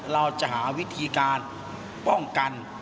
เราจะหาวิธีการป้องกัน